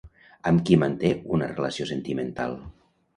Amb qui manté una relació sentimental?